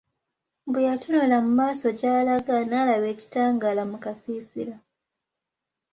Bwe yatunula mu maaso gy'alaga n'alaba ekitangaala mu kasiisira.